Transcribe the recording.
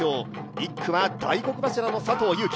１区は大黒柱の佐藤悠基。